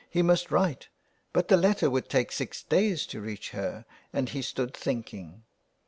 He must write, but the letter would take six days to reach her, and he stood thinking.